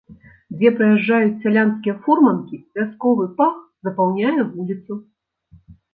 Дзе праязджаюць сялянскія фурманкі, вясковы пах запаўняе вуліцу.